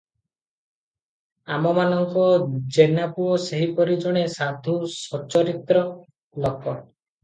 ଆମମାନଙ୍କ ଜେନାପୁଅ ସେହିପରି ଜଣେ ସାଧୁ ସଚ୍ଚରିତ୍ର ଲୋକ ।